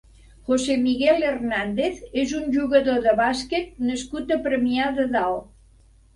José Miguel Hernández és un jugador de bàsquet nascut a Premià de Dalt.